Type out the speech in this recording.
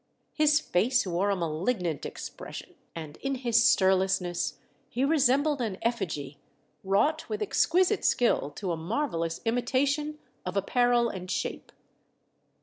His face wore a malig nant expression, and in his stirlessness he resembled an effigy, wrought with exquisite skill to a marvellous imitation of apparel and shape.